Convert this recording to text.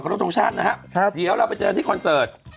รับทรงชาตินะครับเดี๋ยวเราไปเจอที่คอนเสิร์ต